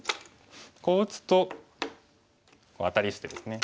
こう打つとアタリしてですね。